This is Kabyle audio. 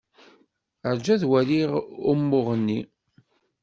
Rju ad waliɣ umuɣ-nni.